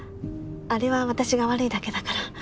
あれは私が悪いだけだから。